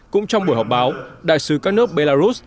cũng trong buổi họp báo đại sứ các nước belarus